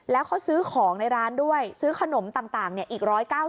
แล้วเขาซื้อของในร้านด้วยซื้อขนมต่างอีก๑๙๐